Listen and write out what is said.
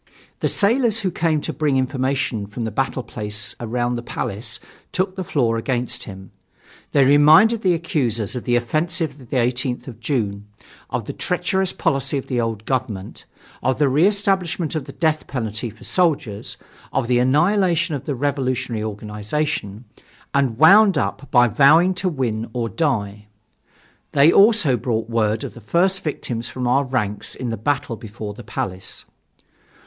The sailors who came to bring information from the battle place around the Palace took the floor against him. They reminded the accusers of the offensive of the 18th of June, of the treacherous policy of the old government, of the re establishment of the death penalty for soldiers, of the annihilation of the revolutionary organization, and wound up by vowing to win or die. They also brought word of the first victims from our ranks in the battle before the Palace.